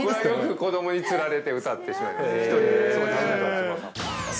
よく子どもにつられて歌ってしまいます。